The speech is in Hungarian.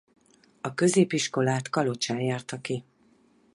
A középiskolát Kalocsán járta ki.